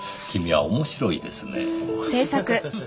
君は面白いですねぇ。